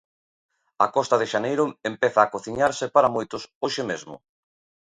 A costa de xaneiro empeza a cociñarse, para moitos, hoxe mesmo.